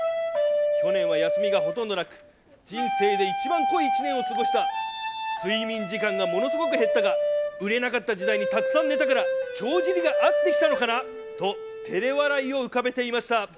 去年は休みがほとんどなく、人生で一番濃い一年を過ごした、睡眠時間がものすごく減ったが、売れなかった時代にたくさん寝たから帳尻が合ってきたのかなと、てれ笑いを浮かべていました。